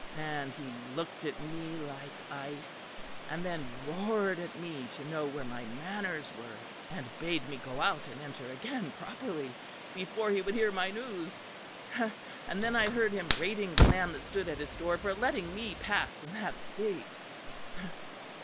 And he looked at me like ice; and then roared at me to know where my manners were, and bade me go out and enter again properly, before he would hear my news; and then I heard him rating the man that stood at his door for letting me pass in that state.